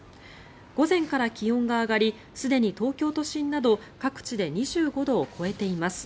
午前から気温が上がりすでに東京都心など各地で２５度を超えています。